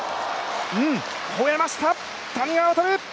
ほえました、谷川航！